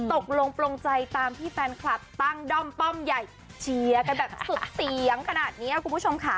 ตกลงปลงใจตามที่แฟนคลับตั้งด้อมป้อมใหญ่เชียร์กันแบบสุดเสียงขนาดนี้คุณผู้ชมค่ะ